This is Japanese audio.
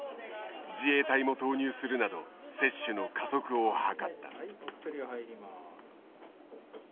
自衛隊も投入するなど接種の加速を図った。